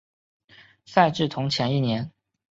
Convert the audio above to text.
赛制同前一年。